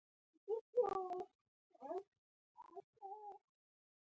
له خوښیه ټولې پورته والوتلې.